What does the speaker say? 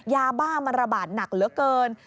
ยาบ้ามันระบาดหนักเหลือเกิน